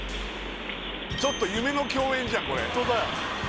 ちょっと夢の共演じゃんこれホントだよ